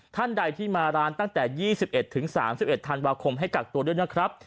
ท่านใดที่มาร้านตั้งแต่๒๑๓๑ธันวาคมให้กักตัวด้วยนะครับ